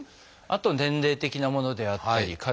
あと年齢的なものであったり。